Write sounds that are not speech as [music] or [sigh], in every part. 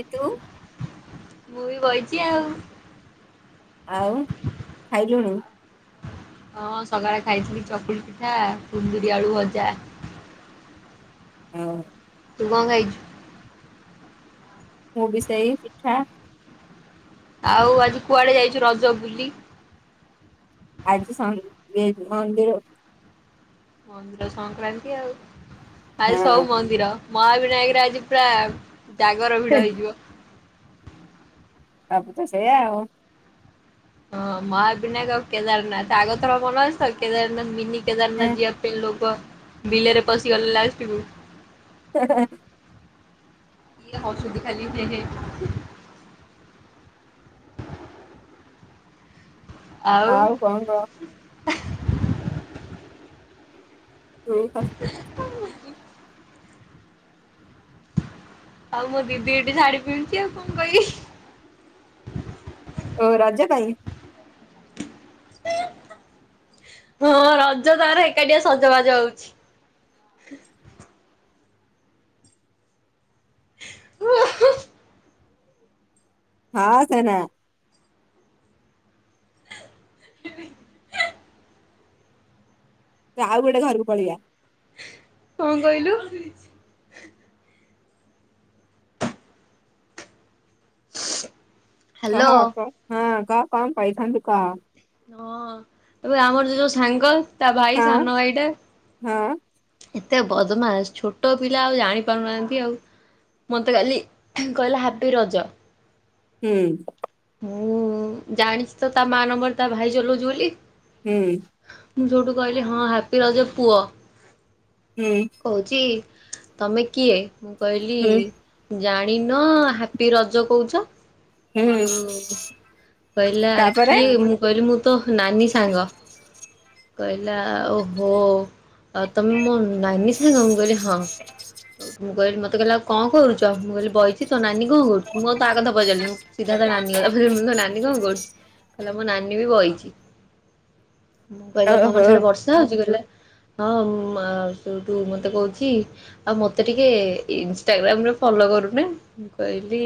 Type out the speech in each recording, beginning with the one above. କିନ୍ତୁ। ମୁଁ ବି ବଇଚି ଆଉ। ଆଉ ଖାଇଲୁଣୁ। ହଁ ସକାଳେ ଖାଇଥିଲି ଚକୁଳି ପିଠା କୁନ୍ଦୁରି ଆଳୁ ଭଜା। ହଁ। ତୁ କଣ ଖାଇଛୁ? ମୁ ବି ସେହି ପିଠା। ଆଉ ଆଜି କୁଆଡେ ଯାଇଛୁ ରଜ ବୁଲି? ଆଜି ସଜ୍ ମନ୍ଦିର। ମନ୍ଦିର ସଂକ୍ରାନ୍ତି ଆଉ, ଆଜି ସବୁ ହଁ ମନ୍ଦିର। ମହାବିନାୟକରେ ଆଜି ପୁରା ଜାଗର ଭିଡ ହେଇଯିବ। ଆପୁ ତ ସେଇୟ ଆଉ। ହଁ ମହାବିନାୟକ ଆଉ କେଦାରନାଥ ଆଗ ଥର ମନ ଅଛି ତ କେଦାରନାଥ ମିନି କେଦାରନାଥ ଯିବା। ବିଲୋକ ବିଲରେ ପଶିଗଲେ ଲାଷ୍ଟ୍ କୁ। [unintelligible] ଏ ହସୁଚି ଖାଲି ହେ-ହେ। ଆଉ କଣ କହ। ସେଇ ଫାସ୍ ଆଉ ମୋ ଦିଦି ଏଠି ଶାଢୀ ପନ୍ଧୁଛି, ଆଉ କଣ କହିବି। ଓହୋ ରାଜା ପାଇଁ? ହଁ ରଜ ତାର ଏକାଠିଆ ସଜବାଜ ହୋଉଛି। ଓ ହଁ। ହ ସେନା। ଆଉ ଗୋଟେ ଘରକୁ ପଳିଆ। କଁ କହିଲୁ? [unintelligible] କହ ହ୍ୟାଲୋ। କହ ହଁ କହ କଣ କହିଥାନ୍ତୁ କହ? ହଁ ଏବେ ଆମର ଯୋ ଯୋଉ ସାଙ୍ଗ ତା ଭାଇ ହଁ ସାନ ଭାଇଟା। ହଁ ଏତେ ବଦମାସ୍ ଛୋଟ ପିଲା ଆଉ ଜାଣିପାରୁନାହାଁନ୍ତି ଆଉ। ମତେ କାଲି କହିଲା ହାପି ରଜ। ହୁଁ। ହଁ ଜାଣିଛି ତ ତା ମା ନମ୍ବର ର ତା ଭାଇ ଚଲଉଛି ବୋଲି ହୁଁ ମୁଁ ସେଇଠୁ କହିଲି ହଁ ହାପି ରାଜ ପୁଅ ହୁଁ କଉଛି ତମେ କିଏ ମୁଁ କହିଲି ହୁଁ ଜାଣିନ ହାପି ରଜ କହୁଛ ହୁଁ ଠୁ କହିଲା ତାପରେ କିଏ ମୁଁ କହିଲି ମୁଁ ତ ହଁ ନାନୀ ସାଙ୍ଗ କହିଲା ଓହୋ ଆଉ ତମେ ମୋ ନାନି ସାଙ୍ଗ ମୁଁ କହିଲି ହଁ ମୁଁ କହିଲି ମତେ କହିଲା କଣ କରୁଛ ମୁଁ କହିଲି ବହିଛି ତୋ ନାନୀ କଣ କରୁଚି ମୁଁ ଆଉ ତା କଥା ପଚାରିଲିିନି ସିଧା ତା ନାନୀ କଥା। ମୁଁ ତୋ ନାନୀ କଣ କରୁଛି କହିଲା ମୋ ନାନୀ ବି ବହିଛି କହିଲା ଓହୋ ତମର ସିଆଡେ ବର୍ଷା ହଉଛି କହିଲା ହଁ ମ୍ ସେଠୁ ମତେ କହୁଛି ଆଉ ମତେ ଟିକେ ଇନଷ୍ଟାଗ୍ରାମ ରେ ଫଲୋ କରୁନ ମୁ କହିଲି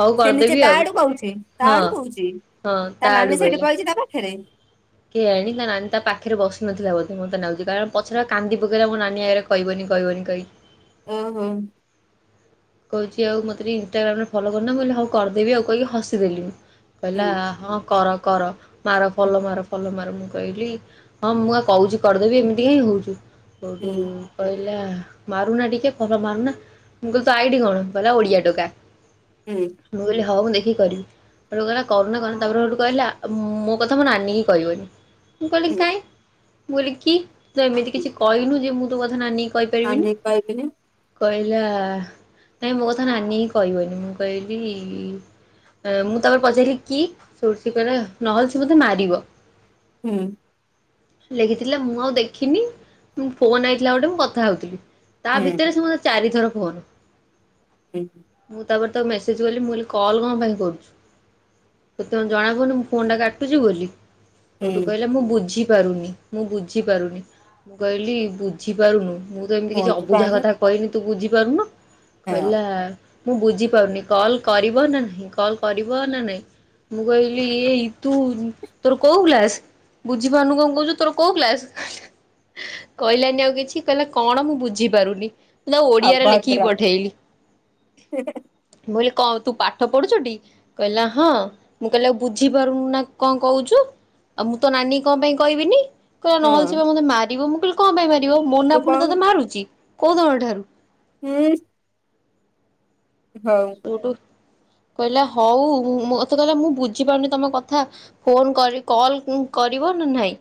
ହଉ ସେ ନିଜେ କରିଦେବି ତା ଆଉ ଆଡୁ କହୁଛି ତା ହଁ ଆଡୁ କହୁଛି ହଁ ତା ନାନୀ ସେଠି ବଇଛି ତା ପାଖରେ କେୟାଣି ତା ନାନୀ ତା ପାଖରେ ବସି ନଥିଲା ବୋଧେ ମୋତେ ଲାଗୁଚି କାରଣ ପଛରେ କାନ୍ଦି ପକେଇଲା ମୋ ନାନୀ ଆଗରେ କହିବନି କହିବନି କଇକି ଓ ହୋ କହୁଛି ଆଉ ମତେ ଟିକ ଇନଷ୍ଟଟାଗ୍ରାମରେ ଫଲୋ କରୁନ ମୁଁ କହିଲି ହଉ କରିଦେବି ଆଉ କହିକି ହସିଦେଲିି ହୁଁ କହିଲା ହୁଁ ହଁ କର କର ମାର ଫଲ ମାର ତାପରେ ମୁଁ କହିଲି ହଁ ମୁଁ ପା କହୁଛି କରିଦେବି ଏମିତି କାହିଁ ହଉଛୁ ସେଇଠୁ ହୁଁ କହିଲା ମାରୁନା ଟିକେ ଫଲୋ ମାରୁନା ମୁଁ କହିଲି ତୋ ଆଇଡ଼ି କଣ କହିଲା ଓଡ଼ିଆ ଟୋକା। ହୁଁ ମୁଁ କହିଲିଁ ହଉ ମୁଁ ଦେଖିକି କରିବି ହେଟୁ କହିଲା କରୁନା କରୁନା ତାପରେ ହେଟୁ କହିଲା ମୋ କଥା ମୁଁ ନାନି କହିବନି ମୁଁ କହିଲି ହୁଁ କାଇଁ ମୁଁ କହିଲି କି ତୁ ତଏମିତି ହୁଁ କିଛି କହିନୁ ଯେ ତୋ କଥା ନାନୀ କି କହିପାରିବିନି ଆମେ କହିବେନି କହିଲା ନାଇଁ ମୋ କଥା ନାନୀ ହି କହିବନି ମୁଁ କହିଲି ମୁଁ ତାପରେ ପଚାରିଲି କି ସେ କହିଲା ନହେଲେ ସେ ମତେ ମାରିବ ହୁଁ ଲେଖିଥିଲେ ମୁଁ ଆଉ ଦେଖିନି ଫୋନ ଆଇଥିଲା ଗୋଟେ ମୁଁ କଥା ହଉଥିଲି ତା ହୁଁ ଭିତରେ ସେ ମତେ ଚାରିଥର ଫୋନ୍ ହୁଁ ମୁଁ ତାପରେ ତାକୁ ମେସେଜ କଲି ମୁଁ କହିଲି କଲ କଣ ପାଇଁ କରୁଛୁ ତତେ କଣ ଜଣାପଡ଼ୁନି ମୁଁ ଫୋନ ଟା କାଟୁଛି ବୋଲି କୋଉଠୁ ହୁଁ କହିଲା ମୁଁ ବୁଝିପାରୁନି ମୁଁ ବୁଝିପାରୁନି ମୁଁ କହିଲି ବୁଝିପାରୁନୁ ମୁଁ ତ ଏମିତି କିଛି ପହଞ୍ଚି ଅବୁଝା ପାରୁନୁ କଥା କହିନି ତୁ ବୁଝିପାରୁନୁ ହଁ କହିଲା ମୁଁ ବୁଝିପାରୁନି କଲ୍ କରିବ ନା ନାହିଁ କଲ୍ କରିବ ନା ନାଇଁ ମୁଁକଇଲି ଏଇ ତୁ ତୋର କୋଉ କ୍ଲାସ ବୁଝି ପାରୁନୁ କଣ କହୁଛୁ ତୋର କୋଉ କ୍ଲାସ କହିଲାନି ଆଉ କିଛି କହିଲା କଣ ମୁଁ ବୁଝି ପାରୁନି ମୁ ତାକୁ ଓଡିଆରେ ଲେଖିକି ଅଭଦ୍ର ପଠେଇଲି ମୁଁ କହିଲି କଣ ତୁ ପାଠ ପଢୁଛୁ ଟି କହିଲା ହଁ ମୁଁ କହିଲି ଆଉ ବୁଝିପାରୁନୁ ନା କଣ କହୁଛୁ ଆଉ ମୁଁ ତ ନାନୀ କଣ ପାଇଁ କହିବିନି କହିଲା ହଁ ନହେଲେ ସେ ପା ମତେ ମାରିବ ମୁଁ କହିଲି କଣ ପାଇଁ ମାରିବ ତୁ ମନା ପୁଣି କଣ ତତେ ମାରୁଛି କୋଉ ଦିନ ଠାରୁ ହୁଁ ହଉ ଟୁ ଟୁ କହିଲା ହଉ ମତେ କହିଲା ମୁଁ ବୁଝିପାରୁନି ତମ କଥା ଫୋନ କରି କଲ୍ କରିବ ନା ନାଇଁ?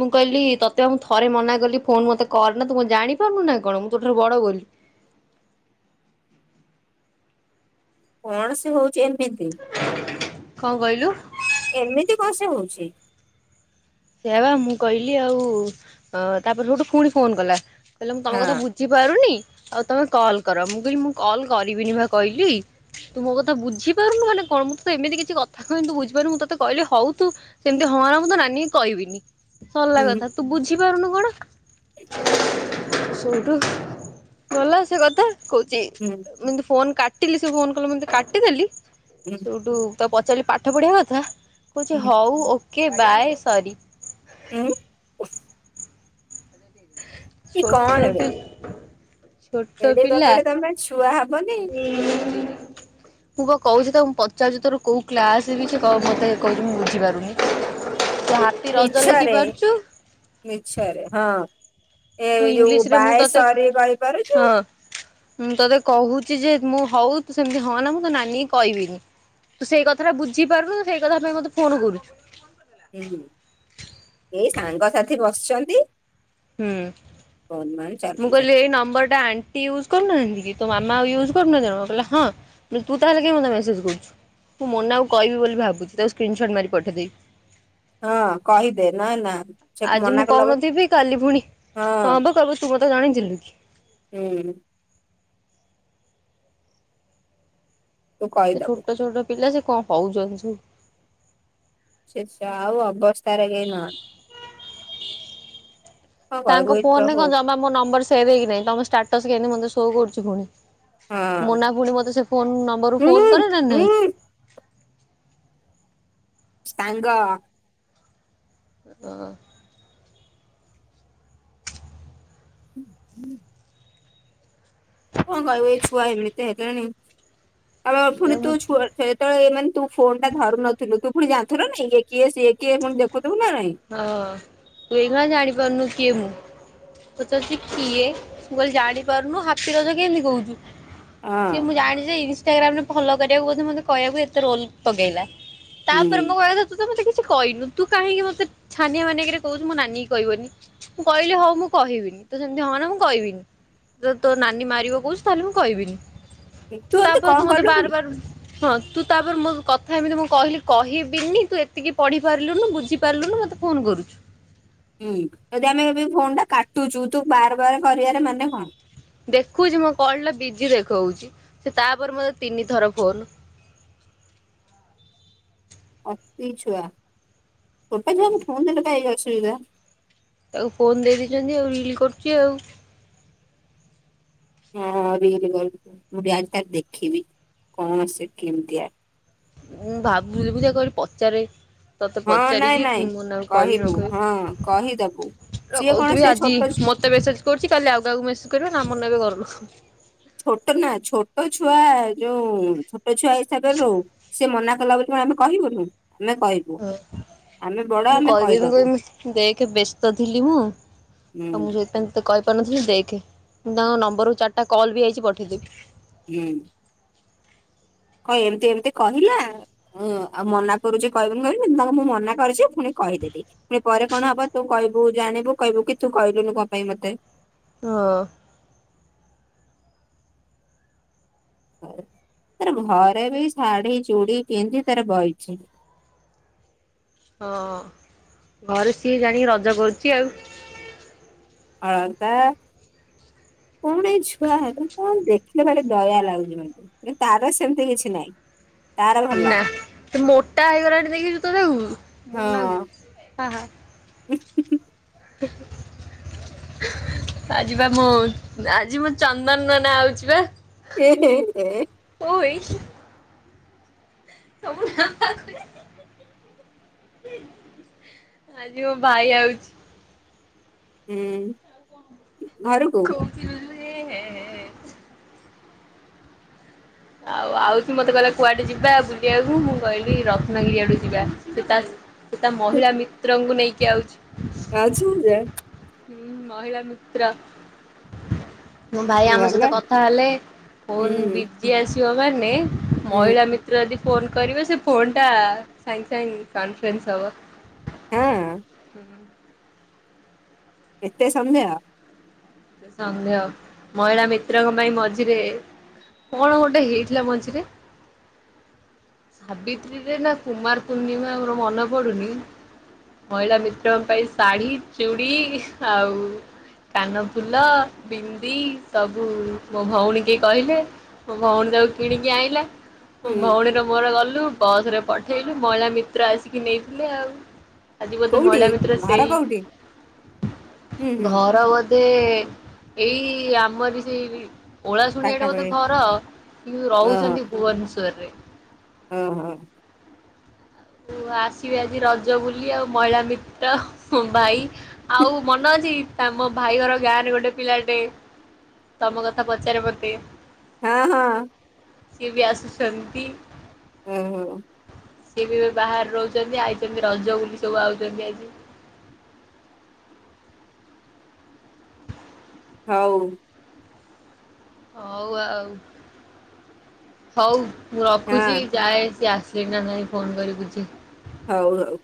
ମୁଁ କହିଲି ତତେ ମୁଁ ଥରେ ମନା କଲି ଫୋନ ମତେ କର ନା ତୁ ଜାଣିପାରୁନୁ ନା କଣ ମୁଁ ତୋ ଠାରୁ ବଡ ବୋଲି? କଣ ସେ ହଉଛି ଏମିତି। କଣ କହିଲୁ? ଏମିତି କଣ ସେ ହଉଛି? ସେଆ ବା ମୁଁ କହିଲି ଆଉ ଅ ତାପରେ ଠୁ ଫୁଣି ଫୋନ କଲା କହିଲା ମୁଁ ତମ ହଁ କଥା ବୁ ବୁଝିପାରୁନି ଆଉ ତମେ କଲ୍ କର ମୁଁ କହିଲି ମୁଁ କଲ କରିବିନି ବା କହିଲି। ତୁ ମୋ କଥା ବୁଝିପାରୁନୁ ମାନେ କଣ ମୁଁ ତତ ଏମିତି କିଛି କଥା କହନି ବୁଝିପାରୁ ମୁଁ ତତେ କହିଲି ହଉ ତୁ ସେମିତି ହଁ ନା ମୁଁ ତ ନାନୀ କହିବିନି ସରିଲା ହୁଁ କଥା ତୁ ବୁଝିପାରୁନୁ କଣ? ଶଠୁ ଗଲା ସେ କଥା କହୁଛି ହୁଁ। ମୁଁ ଏମିତ୍ ଫୋନ୍ କାଟିଲି ସେ ଫୋନ୍ କଲା ମୋତେ କାଟିଦେଲି। ହୁଁ। ସେଠୁ ତାକୁ ପଚାରିଲି ପାଠ ପଢିବା କଥା କହୁଛି ହୁଁ ହଉ ଓକେ ବାଏ ସରି। ଉଁ? କି ଛୋଟ କଣ ବେ ପି ଛୋଟ ଏଡେ ପିଲା। ବକଟେ ତମେ ଛୁଆ ହବନି ମୁଁ କ କହୁଛି ତ ମୁଁ ପଚାରୁଛି ତୋର କୋଉ କ୍ଲାସ ସେ ମତେ କହୁଛି ମୁଁ ବୁଝିପାରୁନି? ଯ [unintelligible] ମିଛରେ ମିଛରେ ହଁ। ତୁ ଏ ଇଂଲିଶ ଯୋଉ ରେ ବାଏ ସରୀ କହିପାରୁଛୁ। ହଁ ମୁଁ ତତେ କହୁଛି ଯେ ମୁଁ ହଉ ତୁ ସେମିତି ହନା ମୁଁ ତୋ ନାନୀ କହିବିନି। ତୁ ସେଇ କଥାଟା ବୁଝିପାରୁନୁ ସେଇ କଥା ପାଇଁ ମତେ ଫୋନ କରୁଛୁ। ହୁଁ ଏଇ ସାଙ୍ଗସାଥି ବସିଛନ୍ତି। ହୁଁ ଫୋନ୍ ଫାନ୍ ମୁଁ ଚଲେଇଛନ୍ତି କହିଲି ଏଇ ନମ୍ବରଟା ଆ ଟି ୟୁଜ୍ କରୁନାହାନ୍ତି କି ତ ମାମା ଆଉ ୟୁଜକରୁହାନ୍ତି କି କହିଲା ହଁ ତୁ ତାହେଲେ କେମିତି ମତେସେଜ କରୁଛୁ? ମୁଁ ମୋନା କୁ କହିବି ବୋଲି ଭାବୁଛି ତାକୁ ସ୍କ୍ରିନ୍ ସଟ୍ ମାରି ପଠାଇ ଦେଇଦେବି। ହଁ କହିଦେ ନା ନା ସେ ଆଜି ମୁଁ ମନା କଲା କହୁନଥିବି କାଲି ପୁଣି ହଁ କଣ ହେବ କହିବୁ ତୁ ମୋତେ ଜାଣିଥିଲୁ କି? ହୁଁ। ତୁ ସେ କହିଦବୁ ଛୋଟ ଛୋଟ ପିଲା ସେ କ ହଉଛନ୍ତି ସବୁ। ଶୀର୍ଷା ଆଉ ଅବସ୍ଥାରେ ହେଇନାହାନ୍ତି। କଣ କହିବୁ ତାଙ୍କ ଏଇ ଫୋନ ରେ ଛୁଆକୁ କଣ ଜମା ମୋ ନମ୍ବର ସେ ସେଭ୍ ହେଇକି ନାହିଁ ତମ ଷ୍ଟାଟସ କେମତି ମୋତେ ସୋ କରୁଛି ପୁଣି? ହଁ ମୋନା ପୁଣି ମତେ ସେ ଫୋନ ନମ୍ବରରୁୁ ହୁଁ ଫୋନ କରେ ନା ନାଇ? ହୁଁ ସାଙ୍ଗ। ଓହ। ହୁଁ ହୁଁ କଣ କହିବ ଏଇ ଝୁଆ ଏମତି ହେଲେଣି ଅଫୁ ସେ ମୁଁ ତୁ ଛୁ ତ ଏମାନେ ତୁ ଫୋନ ଟା ଧରୁ ନଥିଲୁ ତୁ ପୁଣି ଜାଣିଥିଲ କି ଇଏ କିଏ ସିଏ କିଏ ପୁଣି ଦେଖୁଥିବୁ ନା ନାଇଁ? ହଁ ତୁ ଏଇ ନା ଜାଣିପାରୁନୁ କିଏ ମୁଁ? ପଚାରୁଛି କିଏ ମୁଁ କହିଲି ଜାଣି ପାରୁନୁ ହାପି ରଜ କେମିତି କହୁଛୁ? ସିଏ ମୁଁ ହଁ ଜାଣିଛି ଇନସଷ୍ଟାଗ୍ରାମ ରେ ଫଲୋ କରିବାକୁ ବୋଧ ମତେ କହିବାକୁ ଏତେ ରୋଲ ପକେଇଲା ତାପରେ ମୋ କହିବ କଥା ତୁ ତ ମତେ କିଛି କହିନୁ ତୁ କାହିଁକି ମୋତେ ଛାନିଆ ମାନିଆ ହେଇ କିରି କହୁଛୁ ମୋ ନାନୀ କୁ କହିବନି ମୁଁ କହିଲେ ହଉ ମୁଁ କହିବିନି ତ ସେମିତି ହନା ମୁଁ କହିବିନି ଯ ତୋ ନାନୀ ମାରିବ କହୁଛି ତାହେଲେ ମୁଁ କହିବିନି ହୁଁ ଏମିତି ତାପରେ କଣ ତୁ ମତେ କଲୁ କି ବାରବାର ହଁ ତୁ ତାପରେ ମୋ କଥା ଏମିତି ମୁଁ କହିଲି କହିବିନି ତୁ ଏତିକି ପଢି ପାରିଲୁନୁ ବୁଝିପାରିଲୁନୁ ଫୋନ କରଛୁ ହୁଁ ଯଦି ଆମେ ଏବେ ଫୋନ ଟା କାଟୁଛୁ ତୁ ବାର ବାର କରିବାର ମାନେ କଣ ଦେଖୁଛି ମୋ କଲ ଟା ବିଜି ଦେଖଉଛି ସେ ତାପରେ ମୋତେ ତିନି ଥର ଫୋନ [unintelligible] ତାକୁ ଫୋନ ଦେଇଦେଇଛନ୍ତି ଆଉ ରିଲ କରୁଛି ଆଉ ହଁ ରିଲ୍ କରୁଚି ମୁଁ ଟିକେ ଆଜି ତାର ଦେଖିବି କଣ ସେ କେମତିଆ [unintelligible] ତତେ ହଁ ନାଇଁ ପଚାରିକି ନାଇଁ ମୁନା କୁ କହିବି ନ କହିବୁ ହଁ କହିଦବୁ। କହିବି ସିଏ କଣ କହୁଥିବି ସେ ଆଜି ଛୋଟ ମତେ ମେସେଜ୍ କରୁଛି କାଲି ଆଉକାହାକୁ ମେସେଜ୍ କରିବ ନାମ ନେବେ ଘର ଲୋକ ଛୋଟ ନା ଛୋଟ ଛୁଆ ଯୋଉ ଛୋଟ ଛୁଆ ହିସାବରେ ରହୁ ସିଏ ମନା କଲା ବୋଲି ଆମେ କହିବୁନୁ ଆମେ କହିବୁ। ଆମେ ବଡ ମୁଁ ଆମେ କହିବି କହିଦବୁ କହିମି ଦେଖେ ବ୍ୟସ୍ତ ଥିଲି ମୁଁ ଆଉ ମୁଁ ହୁଁ। ସେଇଥିପାଇଁ ତ କହିପାରୁନଥିଲି ଦେଖେ ମୁଁ ତାଙ୍କ ନମ୍ବରରୁୁ ଚାରିଟା କଲ୍ ବି ଆଇଛି ପଠେଇଦେବି। ହୁଁ, କଣ ଏମତି ଏମିତି କହିଲା? ଉୁଁ ଆଉ ମନା କରୁଛି କହିବିନି କହିବି ତାଙ୍କୁ ମୁଁ ମନା କରିଛି ପୁଣି କହିଦେଲି। ପରେ କଣ ହବ ତୁ କହିବୁ ଜାଣିବୁ କହିବୁ କି ତୁ କହିଲୁନୁ କଣ ପାଇଁ ମତେ? ହଁ, ତାର ଘରେ ବି ଶାଢୀ, ଚୁଡି ପିନ୍ଧି ତାର ବଇଛି। ହଁ, ଘରେ ସିଏ ଜାଣିକି ରଜ କରୁଛି ଆଉ। ଅଳତା କଣ ଏଇ ଛୁଆ ହେଲା କଣ ଦେଖିଲେ ଭାରି ଦୟା ଲାଗୁଛି। କିନ୍ତୁ ତାର ସେମିତି କିଛି ନାହିଁ। ତାର ଭଲ ନା ସେ ମୋଟା ହେଇଗଲାଣି ଦେଖିଛୁ ତ ତାକୁ? ମୁନା କୁ ହଁ ହଁ ହଁ ଆଜି ବା ମୁଁ ଆଜି ମୁଁ ଚନ୍ଦନ ନା ଆଉଛି ବା। ଏହେ ହେ। [unintelligible] [unintelligible] ଆଜି ମୋ ଭାଇ ଆଉଛି। ହୁଁ, ଘରକୁ? [unintelligible] ଆଉ ଆଉଛି ମତେ କହିଲା କୁଆଡେ ଯିବା ବୁଲିବାକୁ ମୁଁ କହିଲି ରତ୍ନଗିରି ଆଡୁ ଯିବା ସେ ତା ସେ ତା ମହିଳା ମିତ୍ରଙ୍କୁ ନେଇକି ଆଉଛି। [unintelligible] ହୁଁ, ମହିଳା ମିତ୍ର। ମୋ ଭାଇ ଆମ ସହିତ ଗଲା କଥା ହେଲେ ହୁଁ ଫୋନ ବିଜି ଆସିବ ମାନେ ହୁଁ ମହିଳା ମି ଯଦି ଫୋନ୍ କରିବେ ସେ ଫୋନ୍ଟା ସାଙ୍ଗେ ସାଙ୍ଗେ କନଫରେନ୍ସ ହବ। ହଁ, ହୁଁ ହୁଁ ଏତେ ସନ୍ଦେହ? ସନ୍ଦେହ ମହିଳା ମିତ୍ରଙ୍କ ପାଇଁ ମଝିରେ କଣ ଗୋଟେ ହେଇଥିଲା ମଝିରେ? ସାବିତ୍ରୀରେ ନା, କୁମାର ପୂର୍ଣ୍ଣିମା ମୋର ମନେ ପଡୁନି? ମହିଳା ମିତ୍ରଙ୍କ ପାଇଁ ଶାଢ଼ୀ, ଚୁଡ଼ି ଆଉ କାନ ଫୁଲ ବିନ୍ଦି ସବୁ ମୋ ଭଉଣୀ କି କହିଲେ ମୋ ଭଉଣୀ ତାକୁ କିଣିକି ଆଇଲା। ମୋ ହୁଁ ଭଉଣୀର ମୋର ଗଲୁ ବଶ୍ ରେ ପଠେଇଲୁ ମହିଳା ମିତ୍ର ଆସିକି ନେଇଥିଲେ ଆଉ। ଆଜି ବୋଧେ କୋଉଠି ମହିଳା ମିତ୍ର ଘର ସେଇ କୋଉଠି ହୁଁ ହୁଁ ଧେ ଏଇ ଆମର ବି ଓଳା ଶୁଣିଆଡେ ବୋଧେ ପାଖାପାଖି ଘର କିନ୍ତୁ ରହୁଛନ୍ତି ଭୁବନେଶ୍ଵରରେ। ଉଁ ହୁଁ। ଆସିବେ ଆଜି ରଜ ବୁଲି ଆଉ ମହିଳା ମିତ୍ର, ଭାଇ ଆଉ ମନ ଅଛି ଆମ ଭାଇ ଘର ଗାଁରେ ଗୋଟେ ପିଲାଟେ ତମ କଥା ପଚାରେ ମତେ। ହଁ ହଁ। ସିଏ ବି ଆସୁଛନ୍ତି। ହୁଁ ହୁଁ। ସିଏ ବି ଏବେ ବାହାରେ ରହୁଛନ୍ତି ଆଇଛନ୍ତି ରଜ ବୁଲି ସବୁ ଆଉଛନ୍ତି ଆଜି। ହଉ। ହଉ ଆଉ ହଉ ମୁଁ ରଖୁଛି ହଁ ଯାଏ ସେ ଆସ ଲେଣି ନା ନାଇଁ ଫୋନ୍ କରି ବୁଝେ। ହଉ ହଉ।